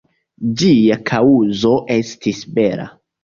Ĝia kaŭzo estis bela.